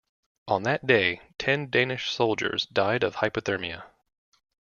On that day ten Danish soldiers died of hypothermia.